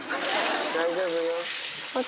大丈夫よ。